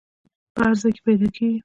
په هر ځای کې پیدا کیږي.